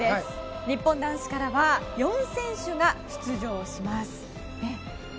日本男子からは４選手が出場します。